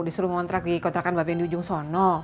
disuruh ngontrak di kontrakan babi yang di ujung sono